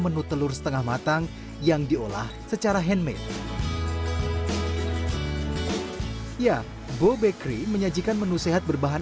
menu telur setengah matang yang diolah secara handmade ya go bakery menyajikan menu sehat berbahan